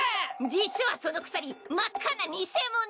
実はその鎖真っ赤な偽物！